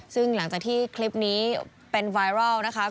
ซึ่งหลังจากที่คลิปนี้เป็นไวรัลนะคะ